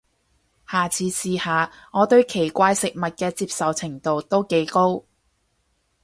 下次試下，我對奇怪食物嘅接受程度都幾高